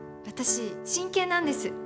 私真剣なんです。